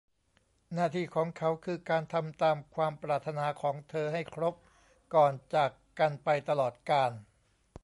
หน้าที่ของเขาคือการทำตามความปรารถนาของเธอให้ครบก่อนจากกันไปตลอดกาล